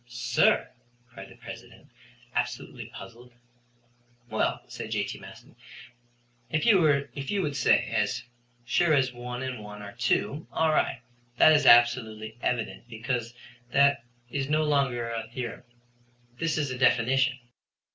"Sir!" cried the President, absolutely puzzled. "Well," said J.T. Maston, "if you would say, as sure as one and one are two, all right. That is absolutely evident, because that is no longer a theorem; this is a definition."